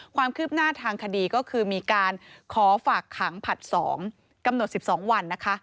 ความคืบหน้าทางคดีก็คือมีการขอฝากขังผลัด๒กำหนด๑๒วันนะคะ